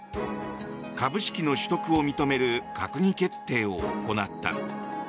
株式の取得を認める閣議決定を行った。